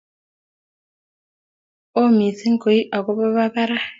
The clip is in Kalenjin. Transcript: Oo missing' koi akopo parak